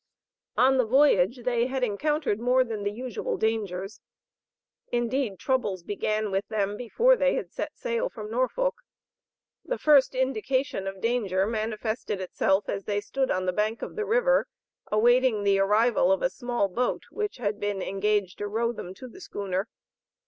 On the voyage they had encountered more than the usual dangers. Indeed troubles began with them before they had set sail from Norfolk. The first indication of danger manifested itself as they stood on the bank of the river awaiting the arrival of a small boat which had been engaged to row them to the schooner.